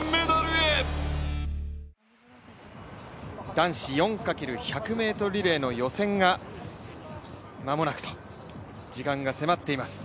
男子４×１００リレーの予選が間もなくと、時間が迫っています。